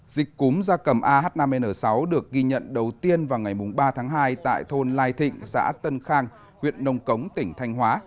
dịch cúm da cầm ah năm n sáu được ghi nhận đầu tiên vào ngày ba tháng hai tại thôn lai thịnh xã tân khang huyện nông cống tỉnh thanh hóa